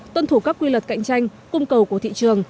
tuân thủ các quy luật cạnh tranh cung cầu của thị trường